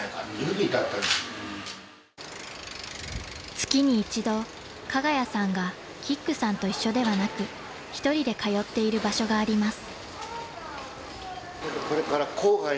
［月に一度加賀谷さんがキックさんと一緒ではなく１人で通っている場所があります］